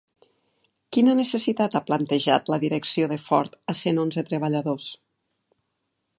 Quina necessitat ha plantejat la direcció de Ford a cent onze treballadors?